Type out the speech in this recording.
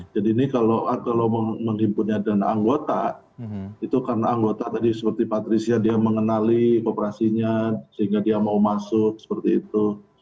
jadi ini kalau menghimpunnya dana anggota itu karena anggota tadi seperti patricia dia mengenali koperasinya sehingga dia mau masuk seperti itu